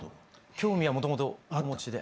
興味はもともとお持ちで。